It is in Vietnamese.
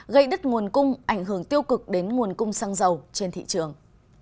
gây đứt nguồn cung ảnh hưởng tiêu cực đến nguồn cung xăng dầu trên thị trường